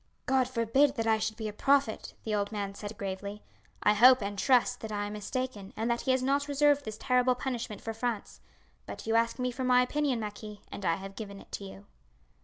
"God forbid that I should be a prophet!" the old man said gravely. "I hope and trust that I am mistaken, and that He has not reserved this terrible punishment for France. But you asked me for my opinion, marquis, and I have given it to you."